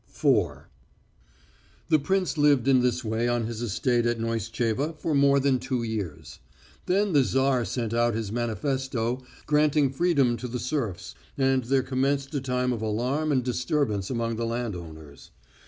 IV The prince lived in this way on his estate at Pneestcheva for more than two years. Then the Tsar sent out his manifesto granting freedom to the serfs, and there commenced a time of alarm and disturbance among the landowners.